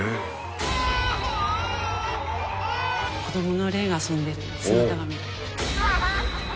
子供の霊が遊んでる姿が。